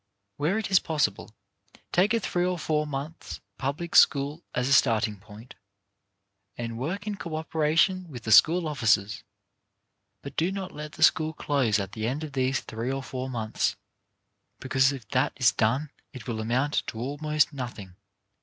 Where it is possible, take a three or four months' public school as a starting point, and work in co operation with the school officers, but do not let the school close at the end of these three or four months, because if that is done it will amount to almost nothing.